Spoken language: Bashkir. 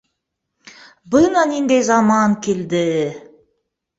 Бына ниндәй заман килде.